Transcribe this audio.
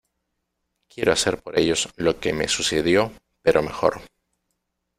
Quiero hacer por ellos lo que me sucedió, pero mejor.